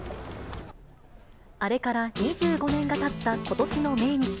あれから２５年がたったことしの命日。